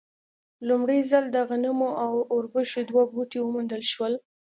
لومړی ځل د غنمو او اوربشو دوه بوټي وموندل شول.